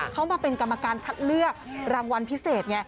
เขามาเป็นกรรมการคัดเลือกรางวัลพิเศษไง